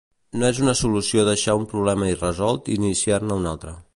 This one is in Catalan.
No és una solució deixar un problema irresolt i iniciar-ne un altre